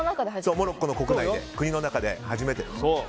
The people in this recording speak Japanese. モロッコの国の中で初めてと。